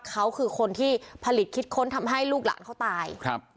เขาคือคนที่ผลิตคิดค้นทำให้ลูกหลานเขาตายครับ